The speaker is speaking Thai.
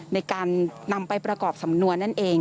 ในการนำไปประกอบสำนวนนั่นเอง